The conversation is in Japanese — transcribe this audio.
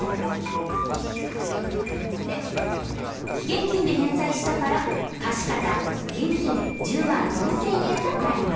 現金で返済したから貸方現金１０万４，０００円となります。